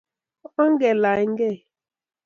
onge laany gei